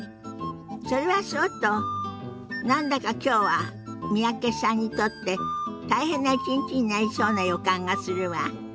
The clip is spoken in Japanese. それはそうと何だかきょうは三宅さんにとって大変な一日になりそうな予感がするわ。